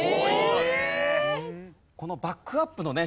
このバックアップのね